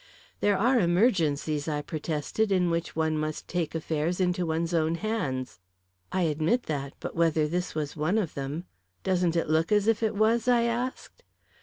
"There are emergencies," I protested, "in which one must take affairs into one's own hands." "I admit that; but whether this was one of them " "Doesn't it look as if it was?" I asked.